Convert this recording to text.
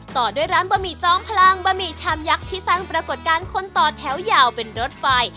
ต่อด้วยร้านบะหมี่จอมพลังบะหมี่ชามยักษ์ที่สร้างปรากฏการณ์คนต่อแถวยาวเป็นรถไฟ